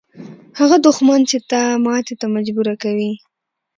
هغه دښمن چې تا ماتې ته مجبوره کوي.